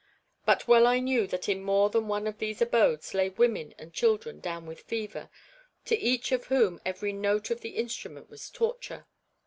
But well I knew that in more than one of these abodes lay women and children down with fever, to each of whom every note of the instrument was torture.